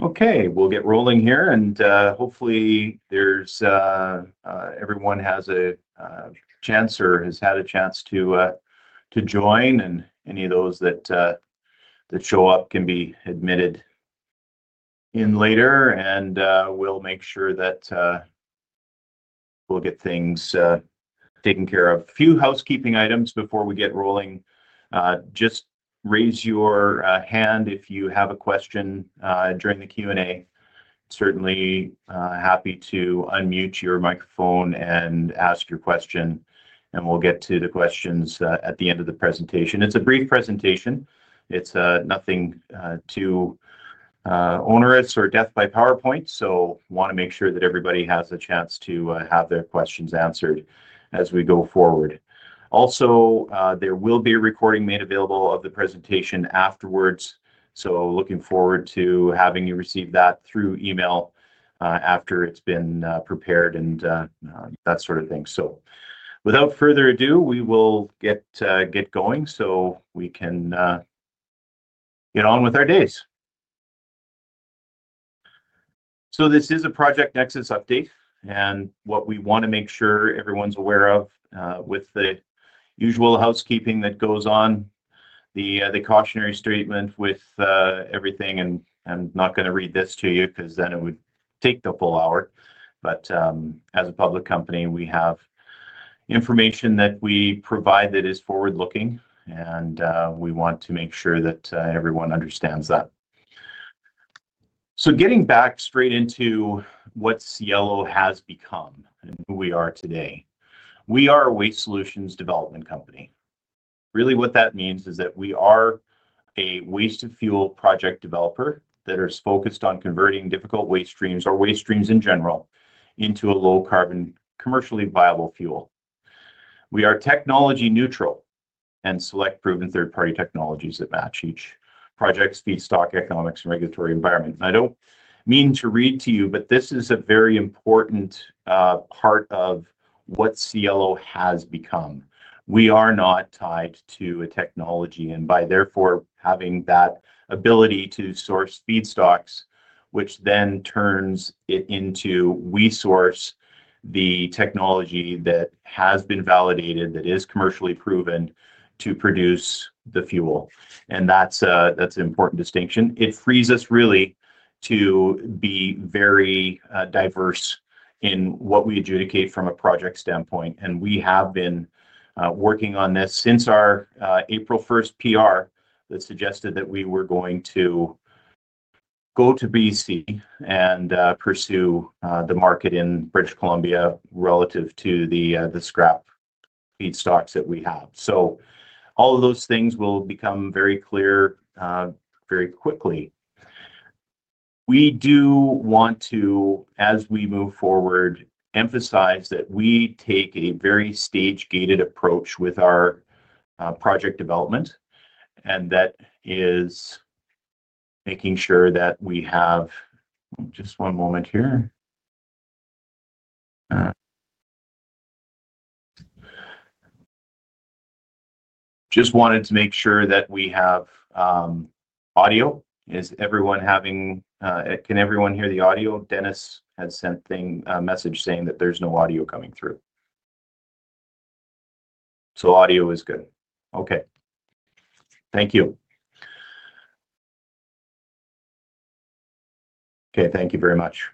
Okay, we'll get rolling here, and hopefully everyone has a chance or has had a chance to join, and any of those that show up can be admitted in later. We'll make sure that we'll get things taken care of. A few housekeeping items before we get rolling. Just raise your hand if you have a question during the Q&A. Certainly happy to unmute your microphone and ask your question, and we'll get to the questions at the end of the presentation. It's a brief presentation. It's nothing too onerous or death by PowerPoint, so I want to make sure that everybody has a chance to have their questions answered as we go forward. Also, there will be a recording made available of the presentation afterwards, so looking forward to having you receive that through email after it's been prepared and that sort of thing. Without further ado, we will get going so we can get on with our days. This is a Project Nexus update, and what we want to make sure everyone's aware of with the usual housekeeping that goes on, the cautionary statement with everything, and I'm not going to read this to you because then it would take the full hour. As a public company, we have information that we provide that is forward-looking, and we want to make sure that everyone understands that. Getting back straight into what Cielo has become and who we are today, we are a waste solutions development company. Really, what that means is that we are a waste-to-fuel project developer that is focused on converting difficult waste streams or waste streams in general into a low-carbon, commercially viable fuel. We are technology neutral and select proven third-party technologies that match each project's feedstock economics and regulatory environment. I do not mean to read to you, but this is a very important part of what Cielo has become. We are not tied to a technology, and by therefore having that ability to source feedstocks, which then turns it into we source the technology that has been validated, that is commercially proven to produce the fuel. That is an important distinction. It frees us really to be very diverse in what we adjudicate from a project standpoint. We have been working on this since our April 1st PR that suggested that we were going to go to B.C. and pursue the market in British Columbia relative to the scrap feedstocks that we have. All of those things will become very clear very quickly. We do want to, as we move forward, emphasize that we take a very stage-gated approach with our project development, and that is making sure that we have just one moment here. Just wanted to make sure that we have audio. Is everyone having, can everyone hear the audio? Dennis had sent a message saying that there's no audio coming through. Audio is good. Thank you. Thank you very much.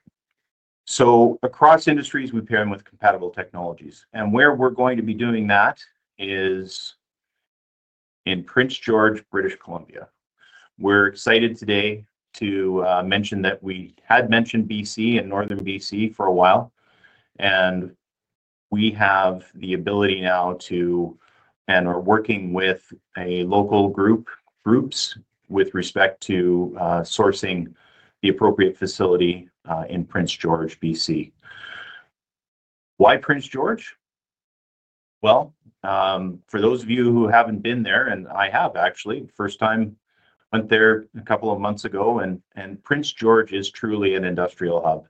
Across industries, we pair them with compatible technologies. Where we're going to be doing that is in Prince George, British Columbia. We're excited today to mention that we had mentioned B.C. and Northern B.C. for a while, and we have the ability now to and are working with a local group with respect to sourcing the appropriate facility in Prince George, B.C. Why Prince George? For those of you who haven't been there, and I have actually, first time went there a couple of months ago, Prince George is truly an industrial hub.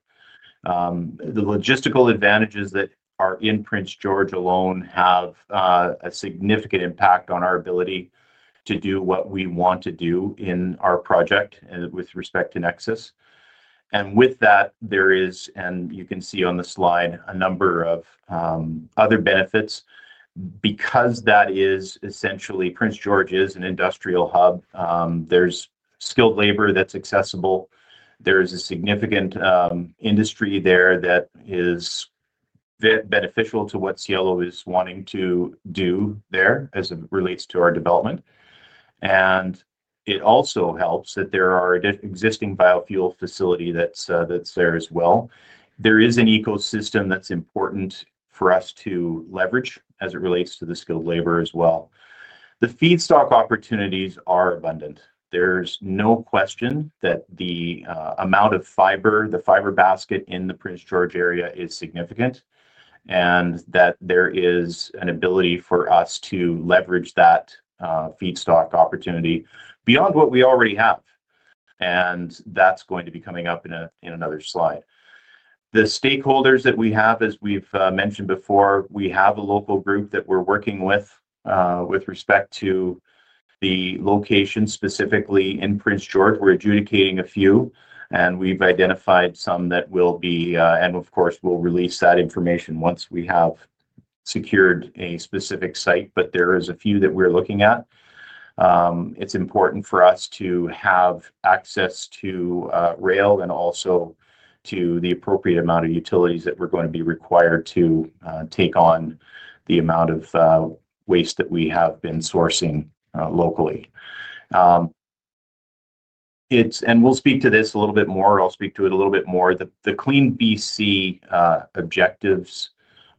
The logistical advantages that are in Prince George alone have a significant impact on our ability to do what we want to do in our project with respect to Nexus. With that, there is, and you can see on the slide, a number of other benefits. Because essentially Prince George is an industrial hub, there's skilled labor that's accessible. There is a significant industry there that is beneficial to what Cielo is wanting to do there as it relates to our development. It also helps that there are existing biofuel facilities there as well. There is an ecosystem that's important for us to leverage as it relates to the skilled labor as well. The feedstock opportunities are abundant. There's no question that the amount of fiber, the fiber basket in the Prince George area is significant, and that there is an ability for us to leverage that feedstock opportunity beyond what we already have. That is going to be coming up in another slide. The stakeholders that we have, as we've mentioned before, we have a local group that we're working with with respect to the location specifically in Prince George. We're adjudicating a few, and we've identified some that will be, and of course, we'll release that information once we have secured a specific site, but there are a few that we're looking at. It's important for us to have access to rail and also to the appropriate amount of utilities that we're going to be required to take on the amount of waste that we have been sourcing locally. We'll speak to this a little bit more. I'll speak to it a little bit more. The CleanBC objectives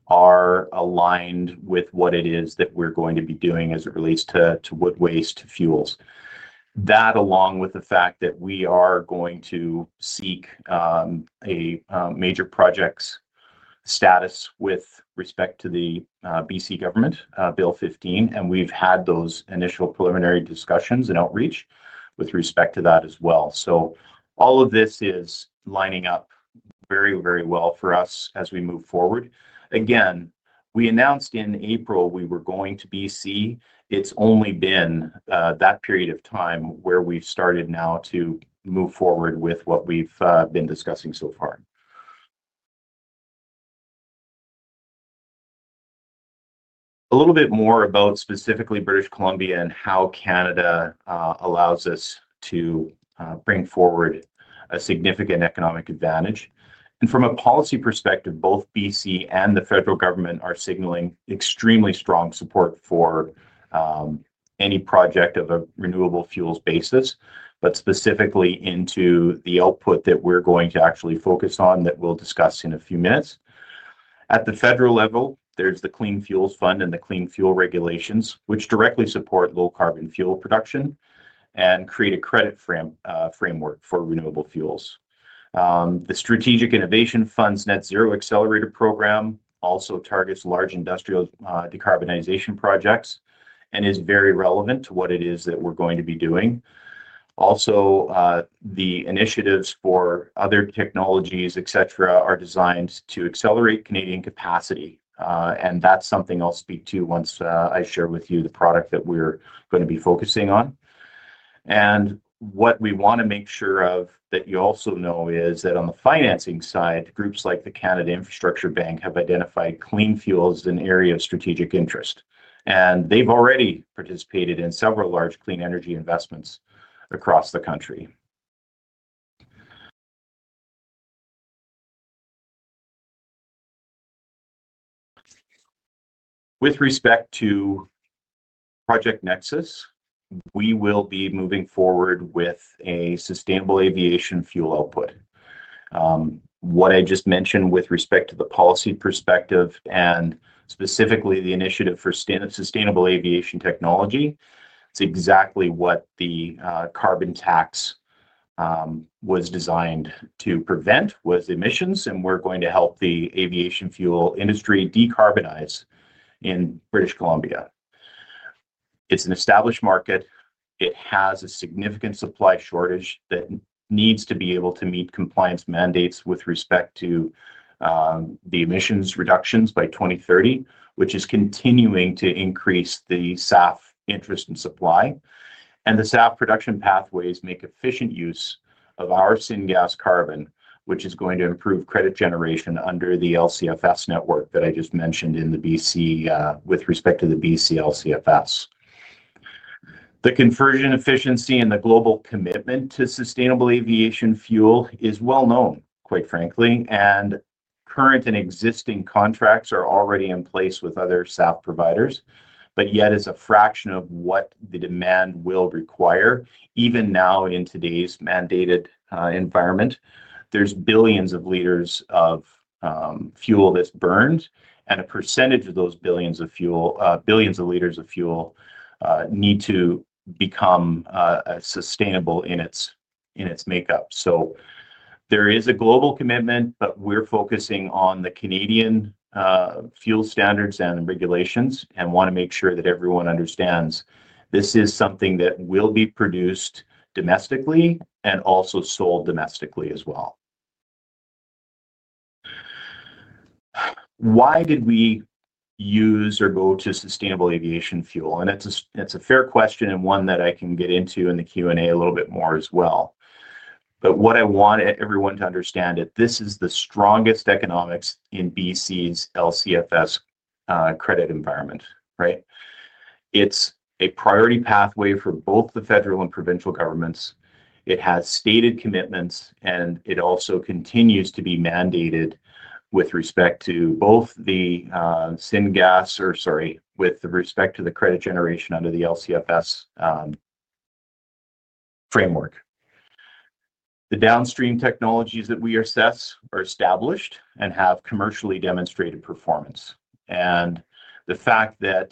are aligned with what it is that we're going to be doing as it relates to wood waste fuels. That, along with the fact that we are going to seek a major project status with respect to the B.C. government, Bill 15, and we've had those initial preliminary discussions and outreach with respect to that as well. All of this is lining up very, very well for us as we move forward. Again, we announced in April we were going to B.C. It's only been that period of time where we've started now to move forward with what we've been discussing so far. A little bit more about specifically British Columbia and how Canada allows us to bring forward a significant economic advantage. From a policy perspective, both B.C. and the federal government are signaling extremely strong support for any project of a renewable fuels basis, but specifically into the output that we're going to actually focus on that we'll discuss in a few minutes. At the federal level, there's the Clean Fuels Fund and the Clean Fuel Regulations, which directly support low-carbon fuel production and create a credit framework for renewable fuels. The Strategic Innovation Fund's Net Zero Accelerator program also targets large industrial decarbonization projects and is very relevant to what it is that we're going to be doing. Also, the initiatives for other technologies, etc., are designed to accelerate Canadian capacity. That's something I'll speak to once I share with you the product that we're going to be focusing on. What we want to make sure of that you also know is that on the financing side, groups like the Canada Infrastructure Bank have identified clean fuels as an area of strategic interest. They have already participated in several large clean energy investments across the country. With respect to Project Nexus, we will be moving forward with a sustainable aviation fuel output. What I just mentioned with respect to the policy perspective and specifically the initiative for sustainable aviation technology, it's exactly what the carbon tax was designed to prevent with emissions, and we're going to help the aviation fuel industry decarbonize in British Columbia. It's an established market. It has a significant supply shortage that needs to be able to meet compliance mandates with respect to the emissions reductions by 2030, which is continuing to increase the SAF interest in supply. The SAF production pathways make efficient use of our syngas carbon, which is going to improve credit generation under the LCFS network that I just mentioned in the B.C. with respect to the B.C. LCFS. The conversion efficiency and the global commitment to sustainable aviation fuel is well known, quite frankly, and current and existing contracts are already in place with other SAF providers, yet as a fraction of what the demand will require, even now in today's mandated environment, there are billions of liters of fuel that are burned, and a percentage of those billions of liters of fuel need to become sustainable in its makeup. There is a global commitment, but we are focusing on the Canadian fuel standards and regulations and want to make sure that everyone understands this is something that will be produced domestically and also sold domestically as well. Why did we use or go to sustainable aviation fuel? It's a fair question and one that I can get into in the Q&A a little bit more as well. What I want everyone to understand is that this is the strongest economics in B.C.'s LCFS credit environment, right? It's a priority pathway for both the federal and provincial governments. It has stated commitments, and it also continues to be mandated with respect to both the syngas, or, sorry, with respect to the credit generation under the LCFS framework. The downstream technologies that we assess are established and have commercially demonstrated performance. The fact that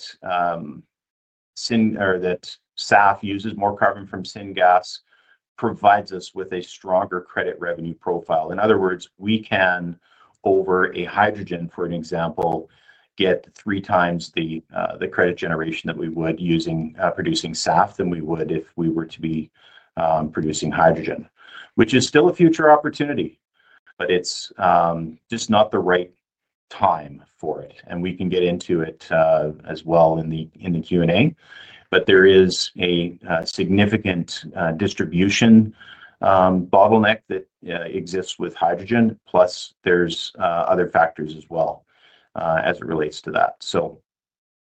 SAF uses more carbon from syngas provides us with a stronger credit revenue profile. In other words, we can, over a hydrogen, for an example, get three times the credit generation that we would using producing SAF than we would if we were to be producing hydrogen, which is still a future opportunity, but it's just not the right time for it. We can get into it as well in the Q&A, but there is a significant distribution bottleneck that exists with hydrogen, plus there's other factors as well as it relates to that. I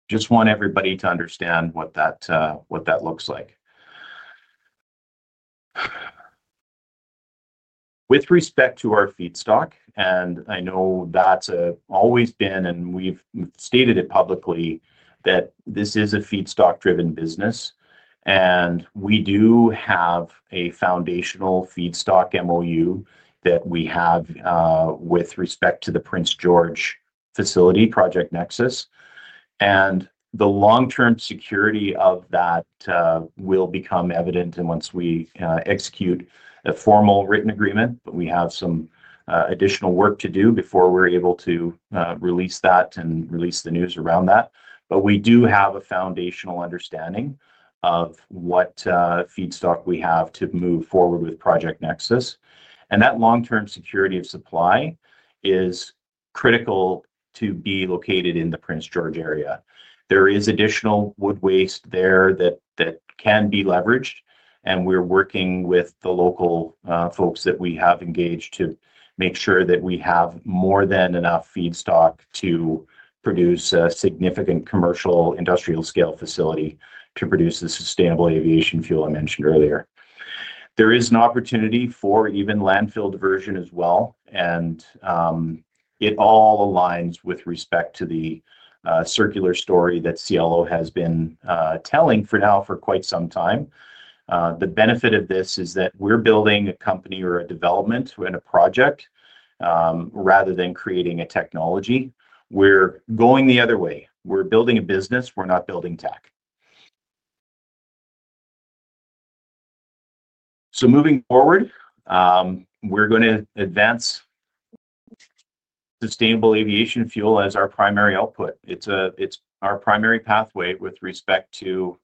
just want everybody to understand what that looks like. With respect to our feedstock, and I know that's always been, and we've stated it publicly that this is a feedstock-driven business, and we do have a foundational feedstock MOU that we have with respect to the Prince George facility, Project Nexus. The long-term security of that will become evident once we execute a formal written agreement, but we have some additional work to do before we're able to release that and release the news around that. We do have a foundational understanding of what feedstock we have to move forward with Project Nexus. That long-term security of supply is critical to be located in the Prince George area. There is additional wood waste there that can be leveraged, and we're working with the local folks that we have engaged to make sure that we have more than enough feedstock to produce a significant commercial industrial scale facility to produce the sustainable aviation fuel I mentioned earlier. There is an opportunity for even landfill diversion as well, and it all aligns with respect to the circular story that Cielo has been telling for now for quite some time. The benefit of this is that we're building a company or a development and a project rather than creating a technology. We're going the other way. We're building a business. We're not building tech. Moving forward, we're going to advance sustainable aviation fuel as our primary output. It's our primary pathway with respect to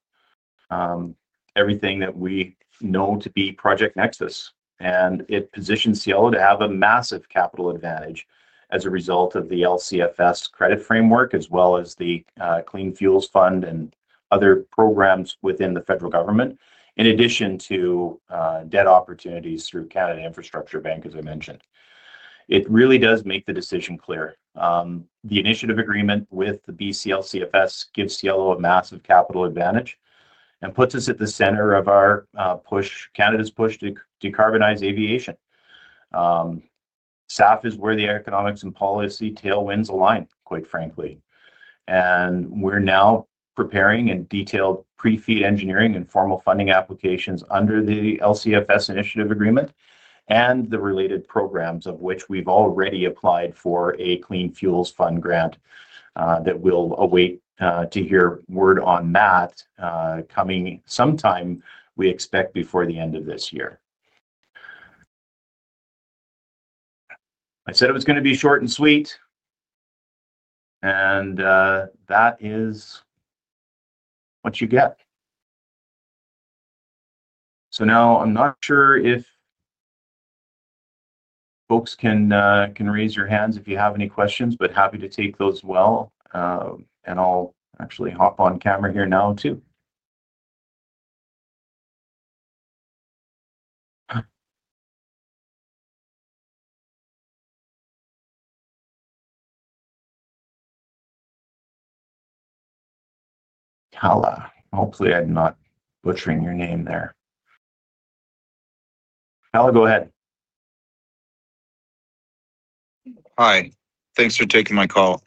everything that we know to be Project Nexus, and it positions Cielo to have a massive capital advantage as a result of the LCFS credit framework as well as the Clean Fuels Fund and other programs within the federal government, in addition to debt opportunities through Canada Infrastructure Bank, as I mentioned. It really does make the decision clear. The initiative agreement with the B.C. LCFS gives Cielo a massive capital advantage and puts us at the center of our push, Canada's push to decarbonize aviation. SAF is where the economics and policy tailwinds align, quite frankly. We are now preparing and detailed pre-FEED engineering and formal funding applications under the LCFS initiative agreement and the related programs, of which we have already applied for a Clean Fuels Fund grant. We will await to hear word on that coming sometime, we expect, before the end of this year. I said it was going to be short and sweet, and that is what you get. I am not sure if folks can raise your hands if you have any questions, but happy to take those as well. I will actually hop on camera here now too. Hopefully, I am not butchering your name there. Haleh, go ahead. Hi. Thanks for taking my call.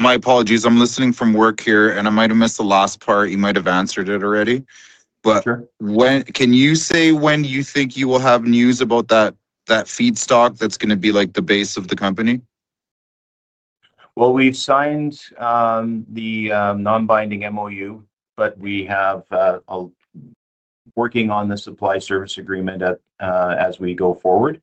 My apologies. I am listening from work here, and I might have missed the last part. You might have answered it already. Can you say when you think you will have news about that feedstock that's going to be the base of the company? We've signed the non-binding MOU, but we are working on the supply service agreement as we go forward.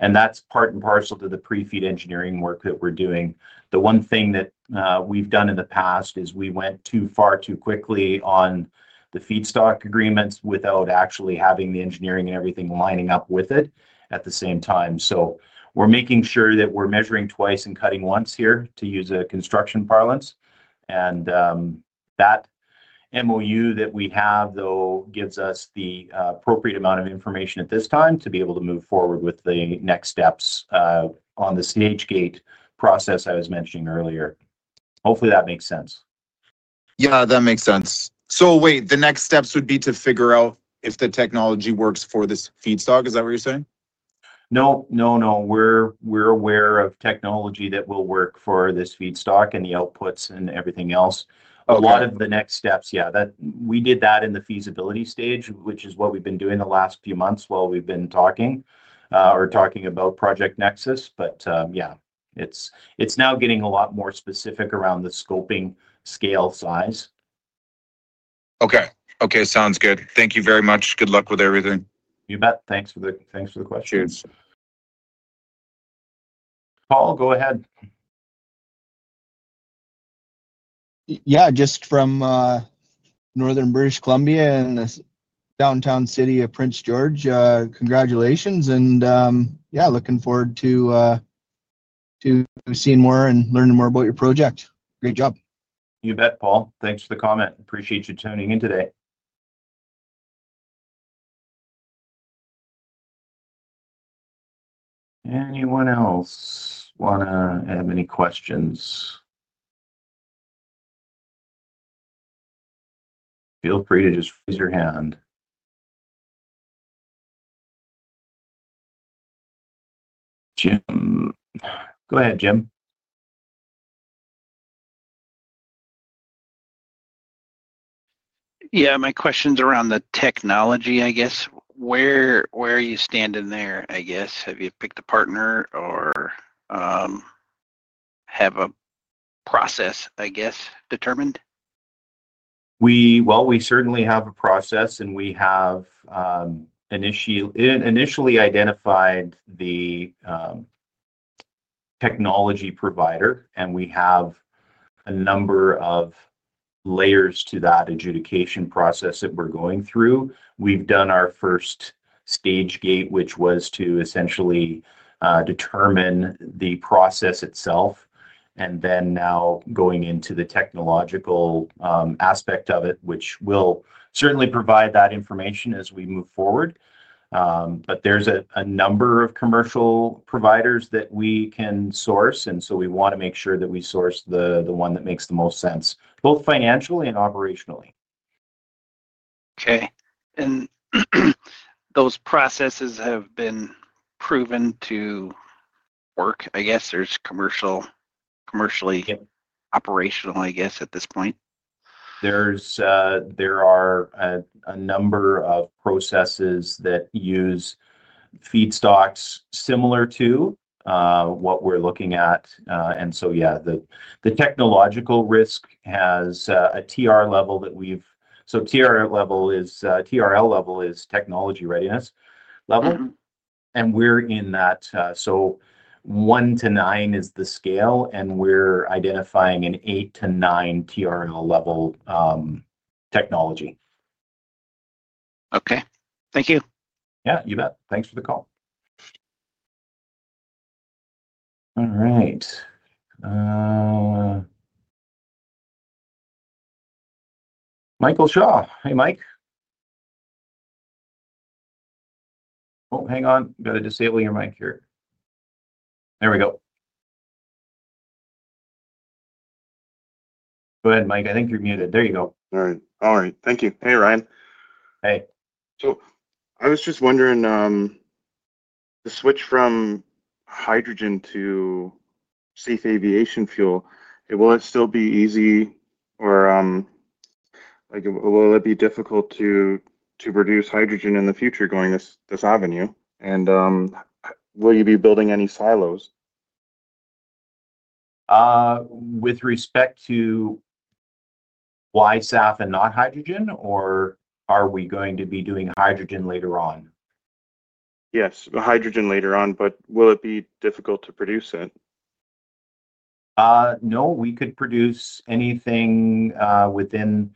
That is part and parcel to the pre-FEED engineering work that we're doing. The one thing that we've done in the past is we went too far too quickly on the feedstock agreements without actually having the engineering and everything lining up with it at the same time. We are making sure that we're measuring twice and cutting once here, to use a construction parlance. That MOU that we have, though, gives us the appropriate amount of information at this time to be able to move forward with the next steps on the stage gate process I was mentioning earlier. Hopefully, that makes sense. Yeah, that makes sense. Wait, the next steps would be to figure out if the technology works for this feedstock. Is that what you're saying? No, no, no. We're aware of technology that will work for this feedstock and the outputs and everything else. A lot of the next steps, yeah. We did that in the feasibility stage, which is what we've been doing the last few months while we've been talking or talking about Project Nexus. Yeah, it's now getting a lot more specific around the scoping scale size. Okay. Okay. Sounds good. Thank you very much. Good luck with everything. You bet. Thanks for the questions. Paul, go ahead. Yeah, just from Northern British Columbia and the downtown city of Prince George. Congratulations. Yeah, looking forward to seeing more and learning more about your project. Great job. You bet, Paul. Thanks for the comment. Appreciate you tuning in today. Anyone else want to have any questions? Feel free to just raise your hand. Jim. Go ahead, Jim. Yeah, my question's around the technology, I guess. Where are you standing there, I guess? Have you picked a partner or have a process, I guess, determined? We certainly have a process, and we have initially identified the technology provider, and we have a number of layers to that adjudication process that we're going through. We've done our first stage gate, which was to essentially determine the process itself, and now going into the technological aspect of it, which will certainly provide that information as we move forward. There are a number of commercial providers that we can source, and we want to make sure that we source the one that makes the most sense, both financially and operationally. Okay. Those processes have been proven to work, I guess, or commercially operational, I guess, at this point? There are a number of processes that use feedstocks similar to what we're looking at. Yeah, the technological risk has a TRL level. TRL level is technology readiness level. We're in that. One to nine is the scale, and we're identifying an eight to nine TRL level technology. Okay. Thank you. Yeah, you bet. Thanks for the call. All right. Michael Shaw. Hey, Mike. Oh, hang on. Got to disable your mic here. There we go. Go ahead, Mike. I think you're muted. There you go. All right. All right. Thank you. Hey, Ryan. Hey. I was just wondering, the switch from hydrogen to safe aviation fuel, will it still be easy, or will it be difficult to produce hydrogen in the future going this avenue? Will you be building any silos? With respect to why SAF and not hydrogen, or are we going to be doing hydrogen later on? Yes, hydrogen later on, but will it be difficult to produce it? No, we could produce anything within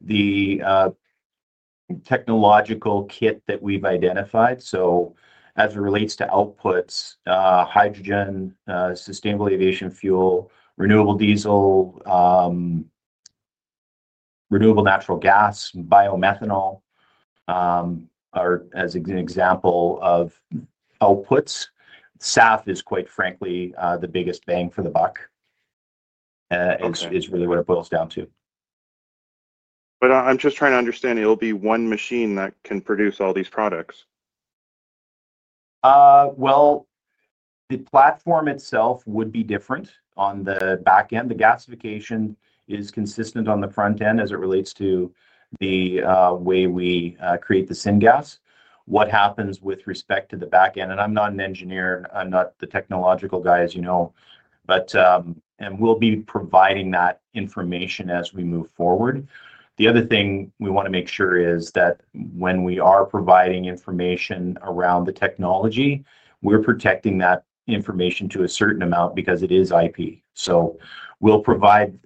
the technological kit that we've identified. As it relates to outputs, hydrogen, sustainable aviation fuel, renewable diesel, renewable natural gas, biomethanol are as an example of outputs. SAF is, quite frankly, the biggest bang for the buck. It's really what it boils down to. I'm just trying to understand, it'll be one machine that can produce all these products. The platform itself would be different on the back end. The gasification is consistent on the front end as it relates to the way we create the syngas. What happens with respect to the back end? I'm not an engineer. I'm not the technological guy, as you know, and we'll be providing that information as we move forward. The other thing we want to make sure is that when we are providing information around the technology, we're protecting that information to a certain amount because it is IP. We'll provide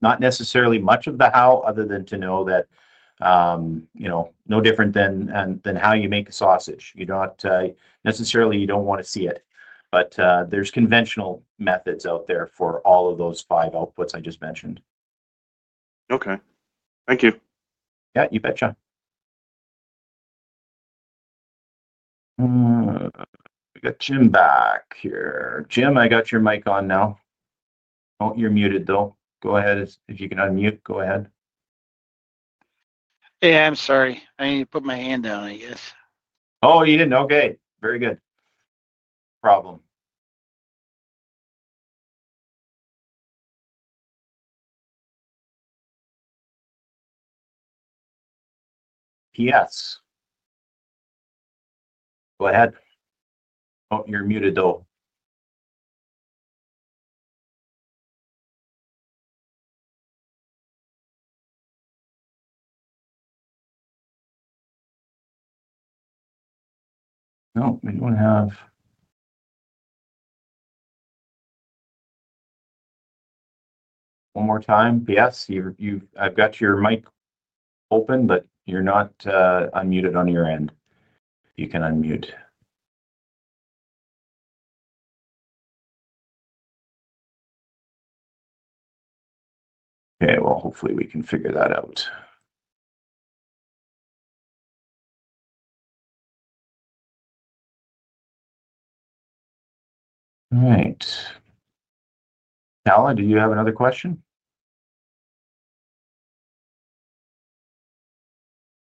not necessarily much of the how other than to know that no different than how you make a sausage. Necessarily, you don't want to see it. There are conventional methods out there for all of those five outputs I just mentioned. Okay. Thank you. Yeah, you bet, John. We got Jim back here. Jim, I got your mic on now. Oh, you're muted, though. Go ahead. If you can unmute, go ahead. Yeah, I'm sorry. I need to put my hand down, I guess. Oh, you didn't. Okay. Very good. Problem. Yes. Go ahead. Oh, you're muted, though. No, we don't have one more time. Yes, I've got your mic open, but you're not unmuted on your end. You can unmute. Okay. Hopefully, we can figure that out. All right. Allan, did you have another question?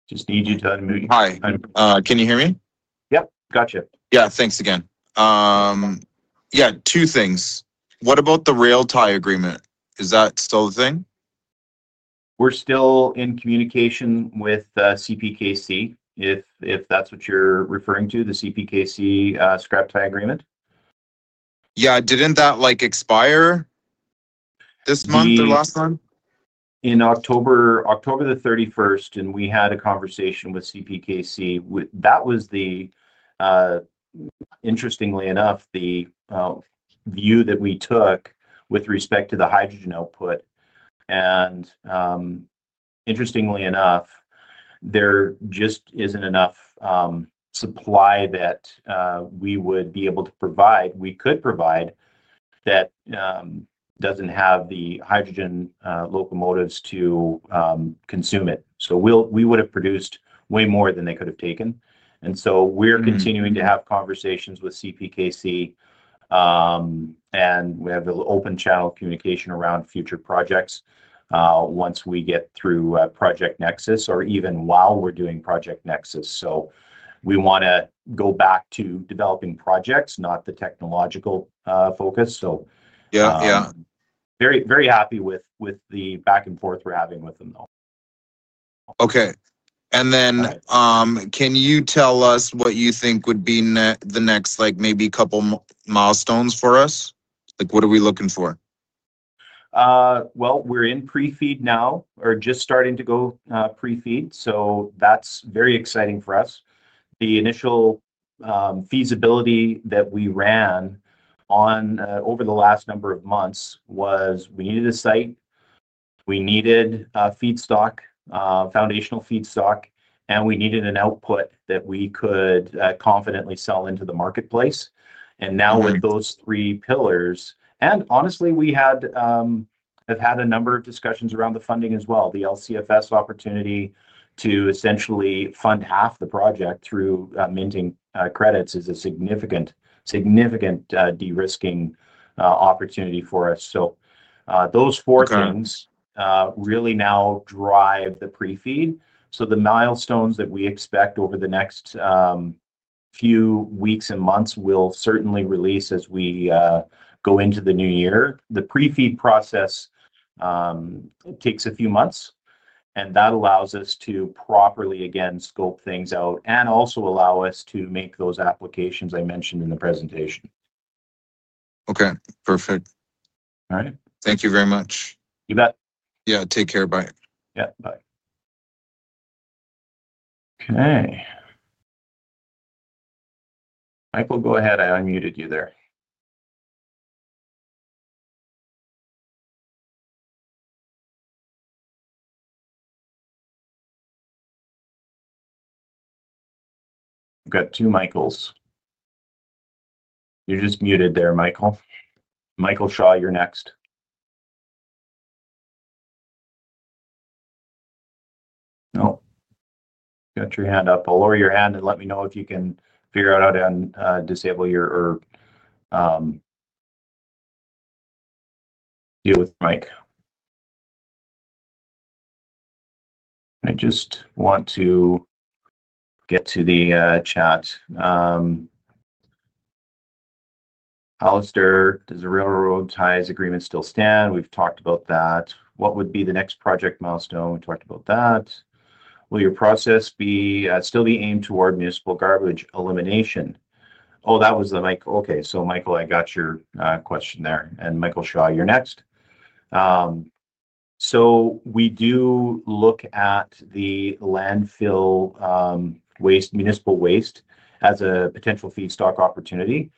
Just need you to unmute. Hi. Can you hear me? Yep. Gotcha. Yeah. Thanks again. Yeah, two things. What about the rail tie agreement? Is that still the thing? We're still in communication with CPKC, if that's what you're referring to, the CPKC scrap tie agreement. Yeah. Didn't that expire this month or last month? In October the 31st, and we had a conversation with CPKC. That was, interestingly enough, the view that we took with respect to the hydrogen output. Interestingly enough, there just isn't enough supply that we would be able to provide. We could provide that doesn't have the hydrogen locomotives to consume it. We would have produced way more than they could have taken. We are continuing to have conversations with CPKC, and we have an open channel communication around future projects once we get through Project Nexus or even while we are doing Project Nexus. We want to go back to developing projects, not the technological focus. Very happy with the back and forth we are having with them though. Okay. Can you tell us what you think would be the next maybe couple milestones for us? What are we looking for? We are in pre-FEED now or just starting to go pre-FEED. That's very exciting for us. The initial feasibility that we ran over the last number of months was we needed a site, we needed feedstock, foundational feedstock, and we needed an output that we could confidently sell into the marketplace. Now with those three pillars, and honestly, we have had a number of discussions around the funding as well. The LCFS opportunity to essentially fund half the project through minting credits is a significant de-risking opportunity for us. Those four things really now drive the pre-FEED. The milestones that we expect over the next few weeks and months will certainly release as we go into the new year. The pre-FEED process takes a few months, and that allows us to properly, again, scope things out and also allow us to make those applications I mentioned in the presentation. Okay. Perfect. Thank you very much. You bet. Yeah. Take care. Bye. Yeah. Bye. Okay. Michael, go ahead. I unmuted you there. We've got two Michaels. You're just muted there, Michael. Michael Shaw, you're next. Oh, got your hand up. I'll lower your hand and let me know if you can figure out how to disable your or deal with Mike. I just want to get to the chat. Alistair, does the railroad ties agreement still stand? We've talked about that. What would be the next project milestone? We talked about that. Will your process still be aimed toward municipal garbage elimination? Oh, that was the Mike. Okay. Michael, I got your question there. Michael Shaw, you're next. We do look at the landfill municipal waste as a potential feedstock opportunity.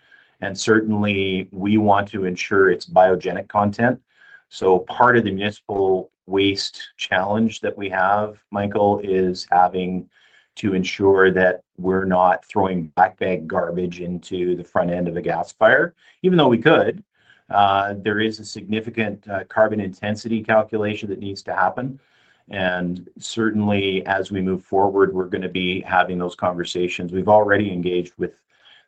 Certainly, we want to ensure it's biogenic content. Part of the municipal waste challenge that we have, Michael, is having to ensure that we're not throwing backpack garbage into the front end of a gas fire, even though we could. There is a significant carbon intensity calculation that needs to happen. Certainly, as we move forward, we're going to be having those conversations. We've already engaged with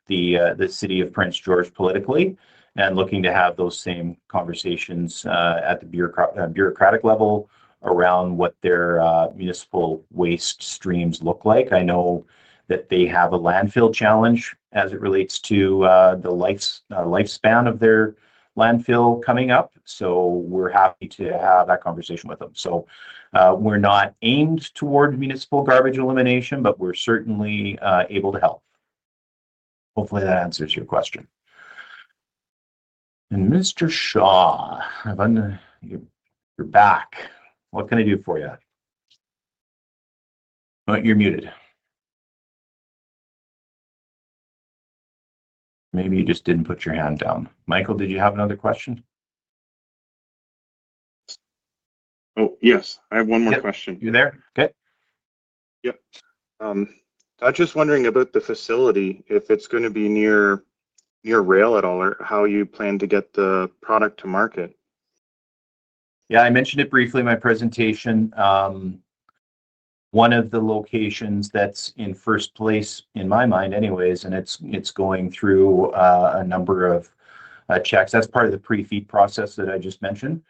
the city of Prince George politically and are looking to have those same conversations at the bureaucratic level around what their municipal waste streams look like. I know that they have a landfill challenge as it relates to the lifespan of their landfill coming up. We're happy to have that conversation with them. We're not aimed toward municipal garbage elimination, but we're certainly able to help. Hopefully, that answers your question. Mr. Shaw, you're back. What can I do for you? You're muted. Maybe you just didn't put your hand down. Michael, did you have another question? Oh, yes. I have one more question. You there? Okay. Yep. I was just wondering about the facility, if it's going to be near rail at all or how you plan to get the product to market. Yeah. I mentioned it briefly in my presentation. One of the locations that's in first place in my mind anyways, and it's going through a number of checks. That's part of the pre-FEED process that I just mentioned.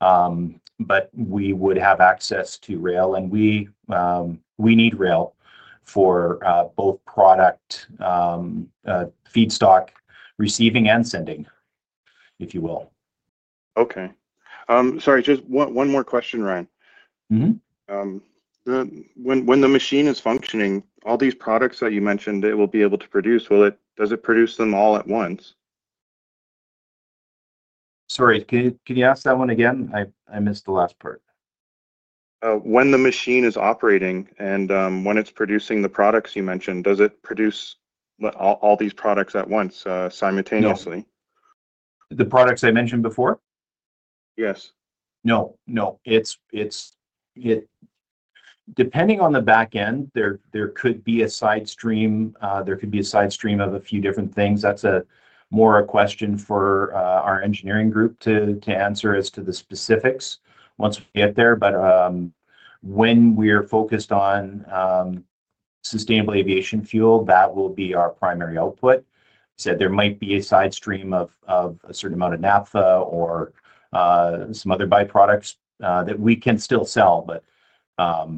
But we would have access to rail, and we need rail for both product feedstock receiving and sending, if you will. Okay. Sorry, just one more question, Ryan. When the machine is functioning, all these products that you mentioned, it will be able to produce. Does it produce them all at once? Sorry. Can you ask that one again? I missed the last part. When the machine is operating and when it's producing the products you mentioned, does it produce all these products at once, simultaneously? The products I mentioned before? Yes. No, no. Depending on the back end, there could be a side stream. There could be a side stream of a few different things. That's more a question for our engineering group to answer as to the specifics once we get there. But when we are focused on sustainable aviation fuel, that will be our primary output. I said there might be a side stream of a certain amount of naphtha or some other byproducts that we can still sell, but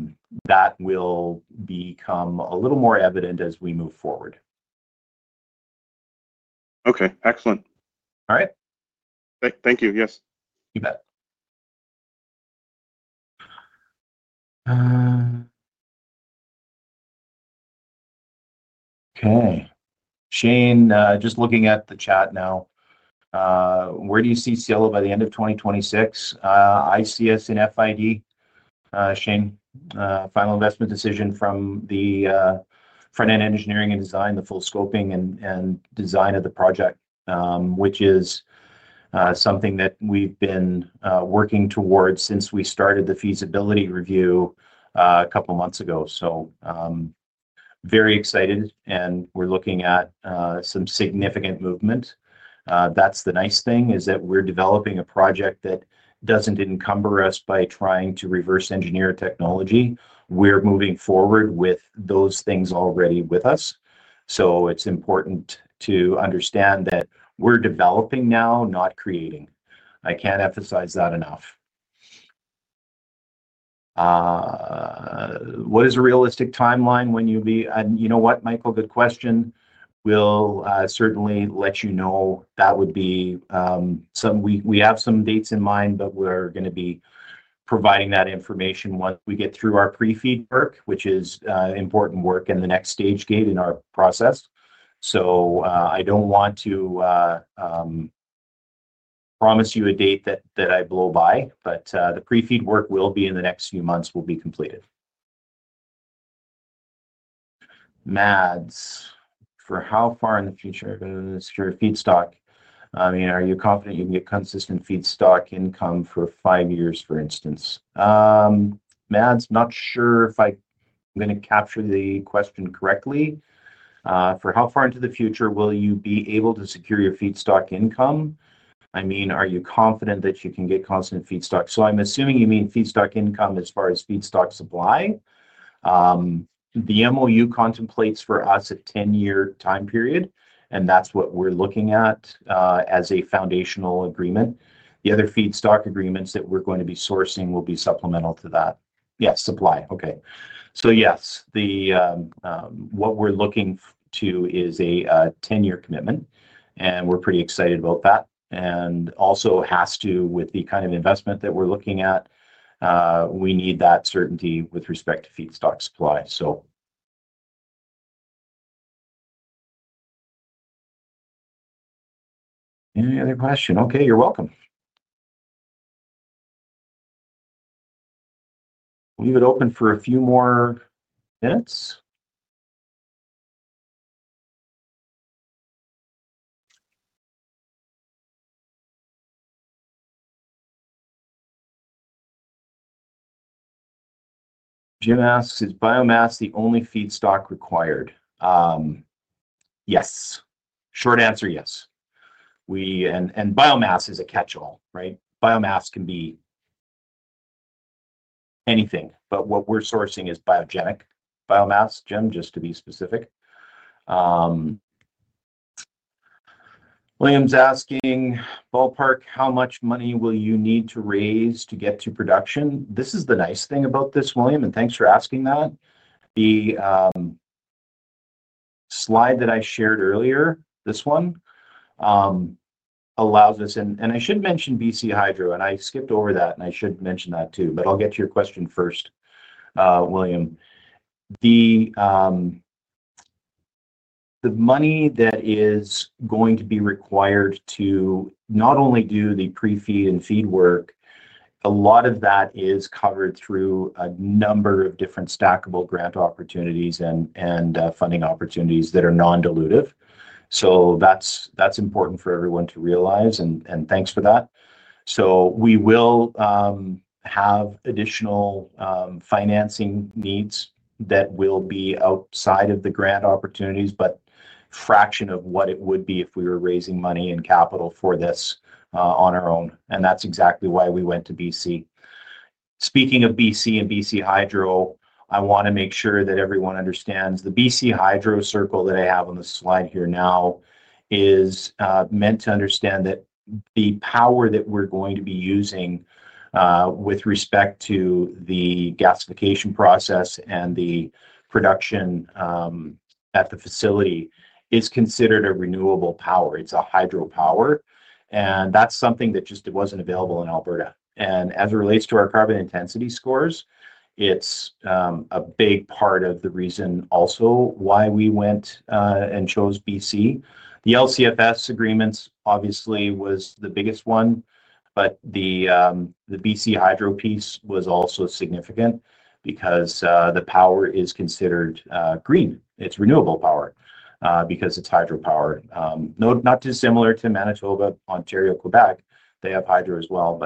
that will become a little more evident as we move forward. Okay. Excellent. All right. Thank you. Yes. You bet. Okay. Shane, just looking at the chat now. Where do you see Cielo by the end of 2026? ICS and FID, Shane, final investment decision from the front-end engineering and design, the full scoping and design of the project, which is something that we've been working towards since we started the feasibility review a couple of months ago. Very excited, and we're looking at some significant movement. That's the nice thing is that we're developing a project that doesn't encumber us by trying to reverse engineer technology. We're moving forward with those things already with us. It's important to understand that we're developing now, not creating. I can't emphasize that enough. What is a realistic timeline when you'll be? You know what, Michael? Good question. We'll certainly let you know. That would be some, we have some dates in mind, but we're going to be providing that information once we get through our pre-FEED work, which is important work in the next stage gate in our process. I don't want to promise you a date that I blow by, but the pre-FEED work will be, in the next few months, will be completed. Mads, for how far in the future are you going to secure feedstock? I mean, are you confident you can get consistent feedstock income for five years, for instance? Mads, not sure if I'm going to capture the question correctly. For how far into the future will you be able to secure your feedstock income? I mean, are you confident that you can get constant feedstock? I'm assuming you mean feedstock income as far as feedstock supply. The MOU contemplates for us a 10-year time period, and that's what we're looking at as a foundational agreement. The other feedstock agreements that we're going to be sourcing will be supplemental to that. Yes, supply. Okay. Yes, what we're looking to is a 10-year commitment, and we're pretty excited about that. It also has to do with the kind of investment that we're looking at, we need that certainty with respect to feedstock supply. Any other question? Okay. You're welcome. We'll leave it open for a few more minutes. Jim asks, is biomass the only feedstock required? Yes. Short answer, yes. Biomass is a catch-all, right? Biomass can be anything, but what we're sourcing is biogenic biomass, Jim, just to be specific. William's asking, ballpark, how much money will you need to raise to get to production? This is the nice thing about this, William, and thanks for asking that. The slide that I shared earlier, this one, allows us—and I should mention BC Hydro, and I skipped over that, and I should mention that too. I'll get to your question first, William. The money that is going to be required to not only do the pre-FEED and FEED work, a lot of that is covered through a number of different stackable grant opportunities and funding opportunities that are non-dilutive. That is important for everyone to realize, and thanks for that. We will have additional financing needs that will be outside of the grant opportunities, but a fraction of what it would be if we were raising money and capital for this on our own. That is exactly why we went to B.C. Speaking of B.C. and BC Hydro, I want to make sure that everyone understands the BC Hydro circle that I have on the slide here now is meant to understand that the power that we're going to be using with respect to the gasification process and the production at the facility is considered a renewable power. It's a hydro power. That's something that just wasn't available in Alberta. As it relates to our carbon intensity scores, it's a big part of the reason also why we went and chose B.C. The LCFS agreements, obviously, was the biggest one, but the BC Hydro piece was also significant because the power is considered green. It's renewable power because it's hydro power. Not dissimilar to Manitoba, Ontario, Quebec. They have hydro as well.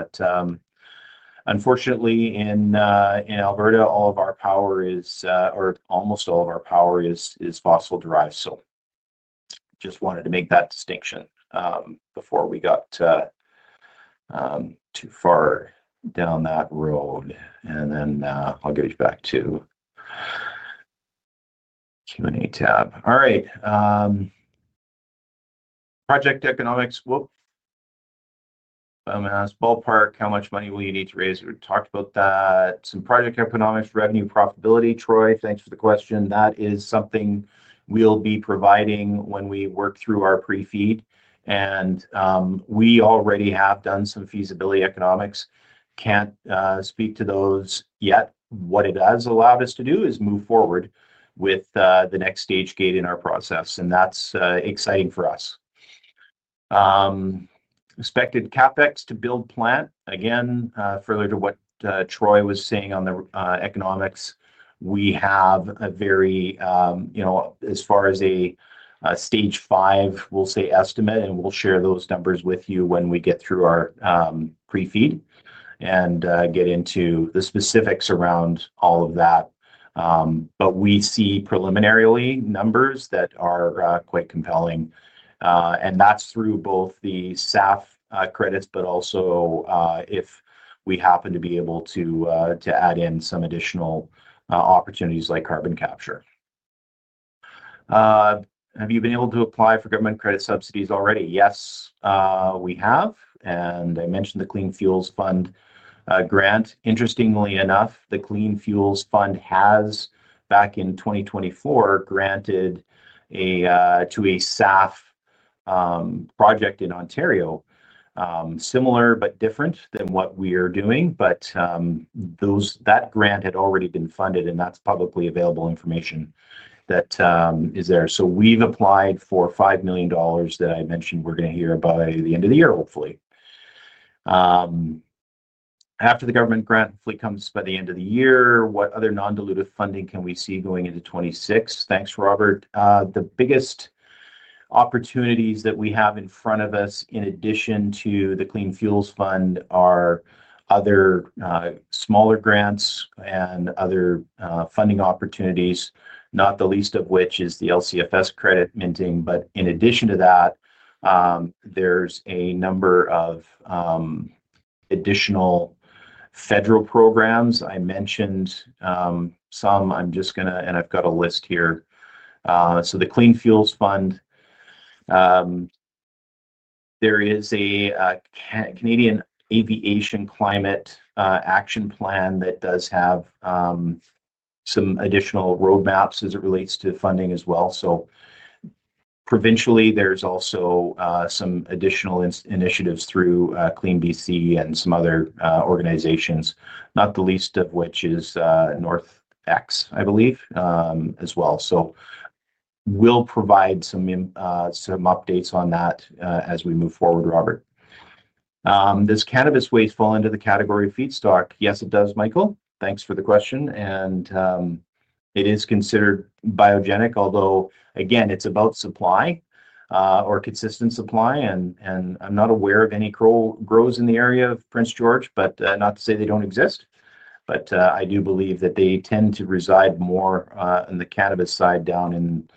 Unfortunately, in Alberta, all of our power is—or almost all of our power is fossil-derived. Just wanted to make that distinction before we got too far down that road. I'll get you back to Q&A tab. All right. Project economics—whoop. Biomass, ballpark, how much money will you need to raise? We talked about that. Some project economics, revenue profitability. Troy, thanks for the question. That is something we'll be providing when we work through our pre-FEED. We already have done some feasibility economics. Can't speak to those yet. What it has allowed us to do is move forward with the next stage gate in our process. That's exciting for us. Expected CapEx to build plant. Again, further to what Troy was saying on the economics, we have a very—as far as a stage five, we'll say estimate, and we'll share those numbers with you when we get through our pre-FEED and get into the specifics around all of that. We see preliminary numbers that are quite compelling. That is through both the SAF credits, but also if we happen to be able to add in some additional opportunities like carbon capture. Have you been able to apply for government credit subsidies already? Yes, we have. I mentioned the Clean Fuels Fund grant. Interestingly enough, the Clean Fuels Fund has, back in 2024, granted to a SAF project in Ontario, similar but different than what we are doing. That grant had already been funded, and that is publicly available information that is there. We have applied for $5 million that I mentioned we are going to hear by the end of the year, hopefully. After the government grant hopefully comes by the end of the year, what other non-dilutive funding can we see going into 2026? Thanks, Robert. The biggest opportunities that we have in front of us in addition to the Clean Fuels Fund are other smaller grants and other funding opportunities, not the least of which is the LCFS credit minting. In addition to that, there's a number of additional federal programs. I mentioned some. I'm just going to—and I've got a list here. The Clean Fuels Fund, there is a Canadian Aviation Climate Action Plan that does have some additional roadmaps as it relates to funding as well. Provincially, there's also some additional initiatives through CleanBC and some other organizations, not the least of which is North X, I believe, as well. We'll provide some updates on that as we move forward, Robert. Does cannabis waste fall into the category of feedstock? Yes, it does, Michael. Thanks for the question. It is considered biogenic, although, again, it's about supply or consistent supply. I'm not aware of any grows in the area of Prince George, but not to say they don't exist. I do believe that they tend to reside more on the cannabis side down in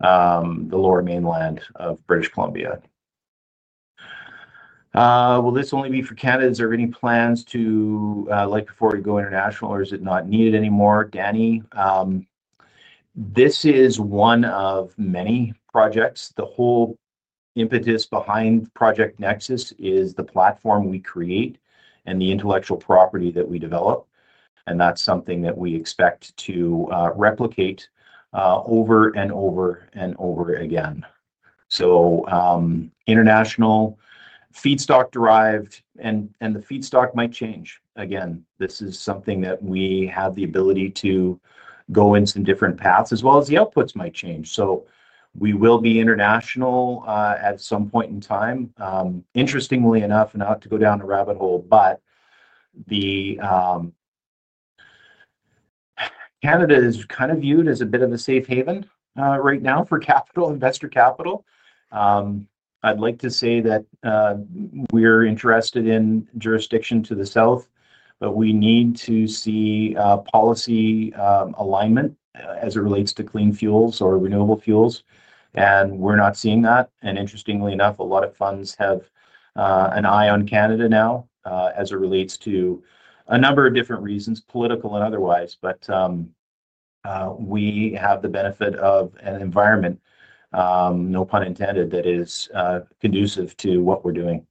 the lower mainland of British Columbia. Will this only be for Canada? Is there any plans to, like before we go international, or is it not needed anymore? Danny, this is one of many projects. The whole impetus behind Project Nexus is the platform we create and the intellectual property that we develop. That's something that we expect to replicate over and over and over again. International feedstock-derived, and the feedstock might change. This is something that we have the ability to go in some different paths, as well as the outputs might change. We will be international at some point in time. Interestingly enough, not to go down a rabbit hole, Canada is kind of viewed as a bit of a safe haven right now for investor capital. I'd like to say that we're interested in jurisdiction to the south, but we need to see policy alignment as it relates to clean fuels or renewable fuels. We're not seeing that. Interestingly enough, a lot of funds have an eye on Canada now as it relates to a number of different reasons, political and otherwise. We have the benefit of an environment, no pun intended, that is conducive to what we're doing.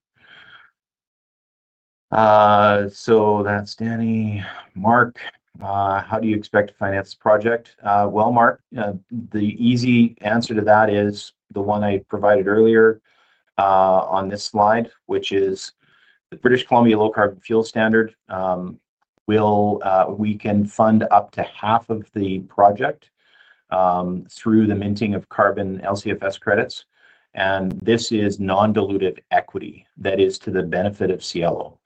That's Danny. Mark, how do you expect to finance the project? Mark, the easy answer to that is the one I provided earlier on this slide, which is the British Columbia Low Carbon Fuel Standard. We can fund up to half of the project through the minting of carbon LCFS credits. This is non-dilutive equity that is to the benefit of Cielo.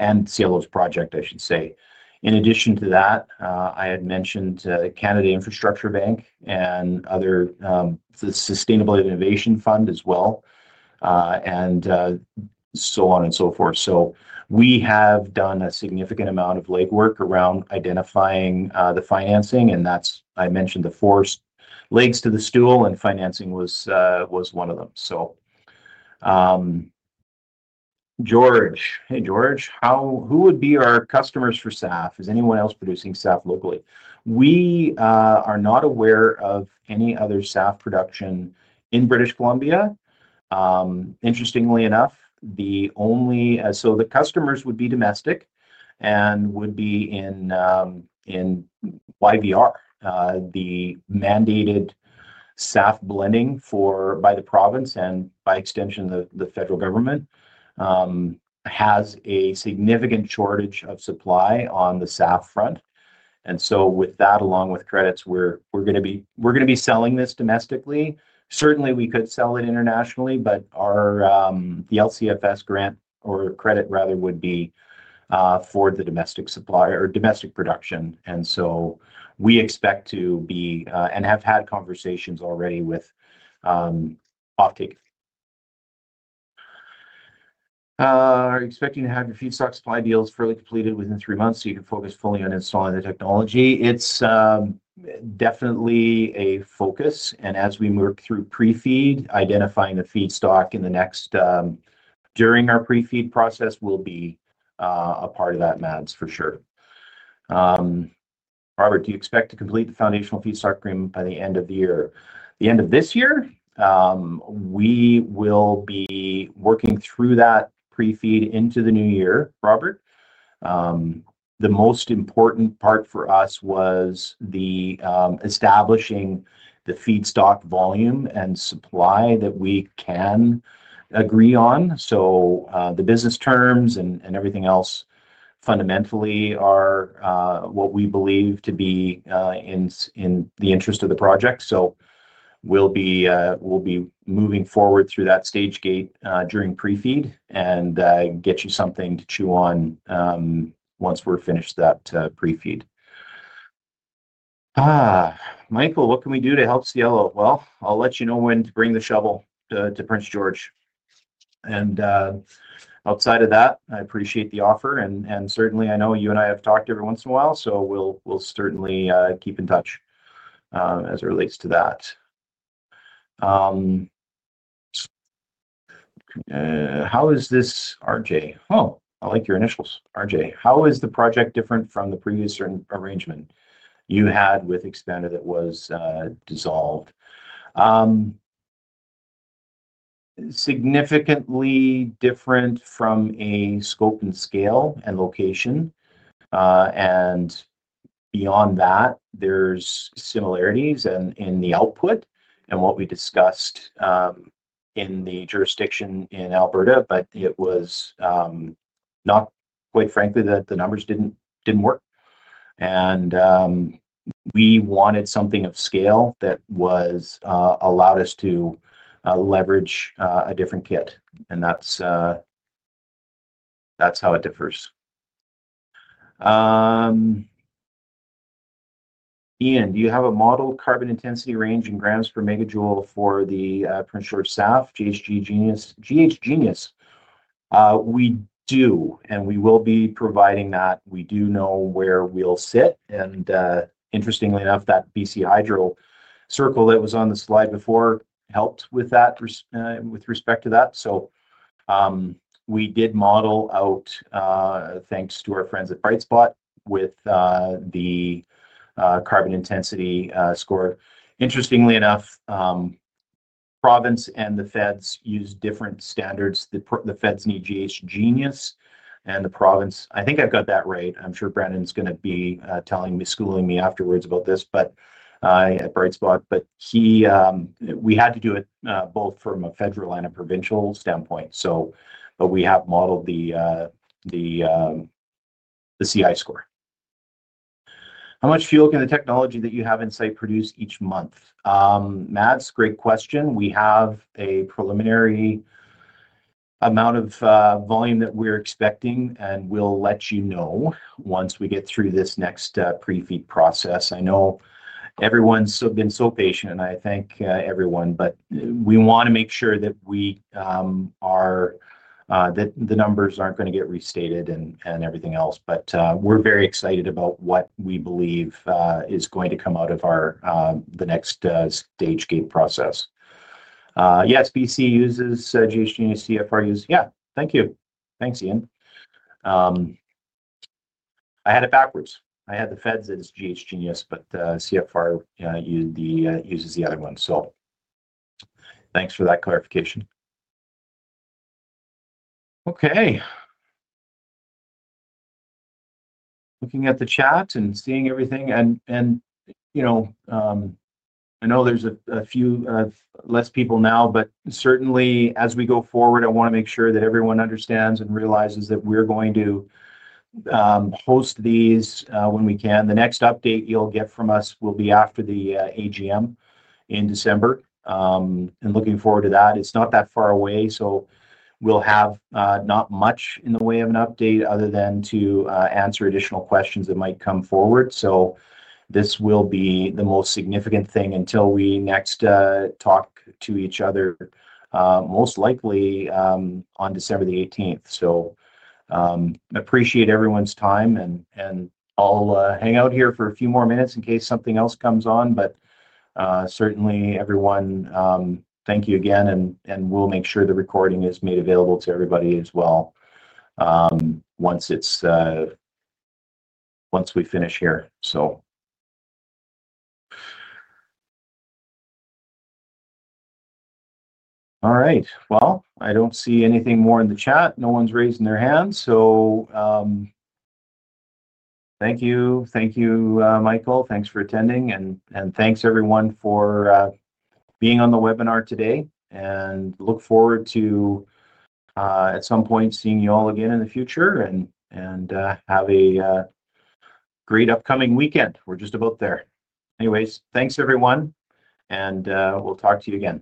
And Cielo's project, I should say. In addition to that, I had mentioned Canada Infrastructure Bank and other Sustainability Innovation Fund as well, and so on and so forth. We have done a significant amount of legwork around identifying the financing. I mentioned the four legs to the stool, and financing was one of them. George. Hey, George. Who would be our customers for SAF? Is anyone else producing SAF locally? We are not aware of any other SAF production in British Columbia. Interestingly enough, the only—so the customers would be domestic and would be in YVR, the mandated SAF blending by the province and by extension, the federal government has a significant shortage of supply on the SAF front. With that, along with credits, we're going to be selling this domestically. Certainly, we could sell it internationally, but the LCFS grant or credit, rather, would be for the domestic supply or domestic production. We expect to be and have had conversations already with Offtake. Are you expecting to have your feedstock supply deals further completed within three months so you can focus fully on installing the technology? It's definitely a focus. As we work through pre-FEED, identifying the feedstock in the next—during our pre-FEED process will be a part of that, Mads, for sure. Robert, do you expect to complete the foundational feedstock agreement by the end of the year? The end of this year, we will be working through that pre-FEED into the new year, Robert. The most important part for us was establishing the feedstock volume and supply that we can agree on. The business terms and everything else fundamentally are what we believe to be in the interest of the project. We will be moving forward through that stage gate during pre-FEED and get you something to chew on once we're finished that pre-FEED. Michael, what can we do to help Cielo? I'll let you know when to bring the shovel to Prince George. Outside of that, I appreciate the offer. I know you and I have talked every once in a while, so we'll certainly keep in touch as it relates to that. How is this RJ? Oh, I like your initials, RJ. How is the project different from the previous arrangement you had with Expander that was dissolved? Significantly different from a scope and scale and location. Beyond that, there are similarities in the output and what we discussed in the jurisdiction in Alberta, but it was not, quite frankly, that the numbers did not work. We wanted something of scale that allowed us to leverage a different kit. That is how it differs. Ian, do you have a model carbon intensity range in grams per megajoule for the Prince George SAF, GHGenius? We do, and we will be providing that. We do know where we will sit. Interestingly enough, that BC Hydro circle that was on the slide before helped with that with respect to that. We did model out, thanks to our friends at BrightSpot, with the carbon intensity score. Interestingly enough, province and the feds use different standards. The feds need GHGenius, and the province—I think I've got that right. I'm sure Brandon's going to be schooling me afterwards about this, at Brightspot. We had to do it both from a federal and a provincial standpoint. We have modeled the CI score. How much fuel can the technology that you have in sight produce each month? Mads, great question. We have a preliminary amount of volume that we're expecting, and we'll let you know once we get through this next pre-FEED process. I know everyone's been so patient, and I thank everyone, but we want to make sure that the numbers aren't going to get restated and everything else. We're very excited about what we believe is going to come out of the next stage gate process. Yes, B.C. uses GHGenius, CFR uses—yeah. Thank you. Thanks, Ian. I had it backwards. I had the feds as GHGenius, but CFR uses the other one. Thank you for that clarification. Okay. Looking at the chat and seeing everything. I know there's a few less people now, but certainly, as we go forward, I want to make sure that everyone understands and realizes that we're going to host these when we can. The next update you'll get from us will be after the AGM in December. Looking forward to that. It's not that far away. We'll have not much in the way of an update other than to answer additional questions that might come forward. This will be the most significant thing until we next talk to each other, most likely on December the 18th. I appreciate everyone's time. I'll hang out here for a few more minutes in case something else comes on. Certainly, everyone, thank you again. We'll make sure the recording is made available to everybody as well once we finish here. All right. I don't see anything more in the chat. No one's raising their hand. Thank you. Thank you, Michael. Thanks for attending. Thanks, everyone, for being on the webinar today. I look forward to, at some point, seeing you all again in the future. Have a great upcoming weekend. We're just about there. Anyways, thanks, everyone. We'll talk to you again.